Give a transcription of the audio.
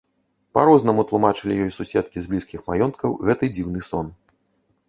Па-рознаму тлумачылі ёй суседкі з блізкіх маёнткаў гэты дзіўны сон.